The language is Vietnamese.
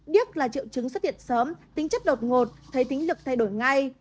điếc là triệu chứng xuất hiện sớm tính chất đột ngột thấy tính lực thay đổi ngay